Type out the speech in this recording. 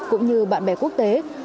cũng như bạn bè quốc tế